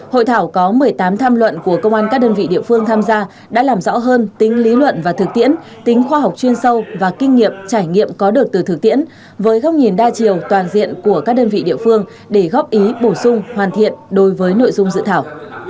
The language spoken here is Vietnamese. hội thảo có một mươi tám tham luận của công an các đơn vị địa phương tham gia đã làm rõ hơn tính lý luận và thực tiễn tính khoa học chuyên sâu và kinh nghiệm trải nghiệm có được từ thực tiễn với góc nhìn đa chiều toàn diện của các đơn vị địa phương để góp ý bổ sung hoàn thiện đối với nội dung dự thảo